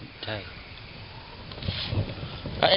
บ๊วยบ๊วยใช่